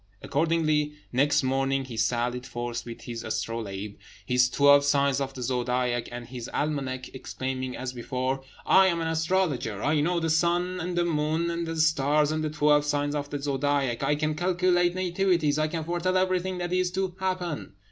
Accordingly, next morning he sallied forth with his astrolabe, his twelve signs of the zodiac, and his almanac, exclaiming, as before, "I am an astrologer! I know the sun, and the moon, and the stars, and the twelve signs of the zodiac; I can calculate nativities; I can foretell everything that is to happen!"